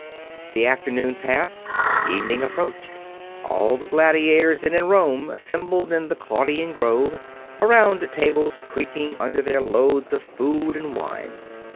The afternoon passed; evening approached. All the gladiators then in Rome assembled in the Claudian Grove, around tables creaking under their loads of food and wine.